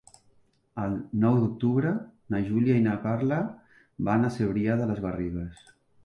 El nou d'octubre na Júlia i na Carla van a Cervià de les Garrigues.